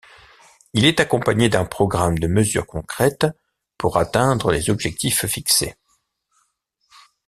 Il est accompagné d’un programme de mesures concrètes pour atteindre les objectifs fixés.